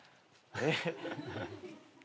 えっ。